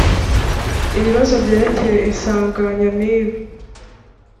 ibibazo byerekeye isaranganya nibi